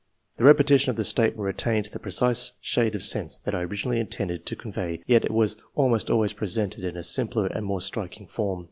The repetition of the statement retained the precise shade of sense that I originally intended to con vey, yet it was almost always presented in a simpler and more striking form.